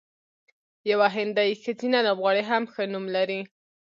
یوه هندۍ ښځینه لوبغاړې هم ښه نوم لري.